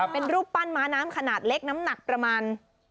เป็นรูปปั้นม้าน้ำขนาดเล็กน้ำหนักประมาณ